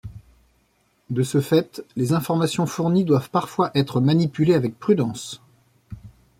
De ce fait, les informations fournies doivent parfois être manipulées avec prudence.